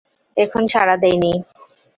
এখনো সাড়া দেয়নি।